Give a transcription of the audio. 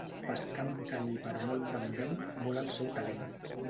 Pescar amb canya i per moldre amb vent, vol el seu talent.